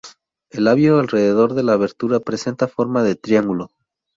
El labio alrededor de la abertura presenta forma de triángulo.